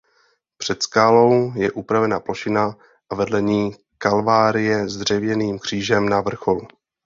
Před skálou je upravená plošina a vedle ní Kalvárie s dřevěným křížem na vrcholu.